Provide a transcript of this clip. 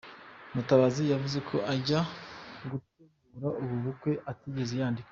Mutabazi yavuze ko ajya gutegura ubu bukwe, atigeze yandika